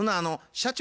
社長？